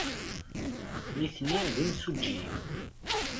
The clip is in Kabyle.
Nitni d imsujjiyen.